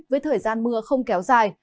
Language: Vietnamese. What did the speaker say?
với thời gian mưa không kéo dài